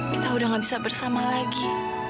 kita sudah tidak bisa bersama lagi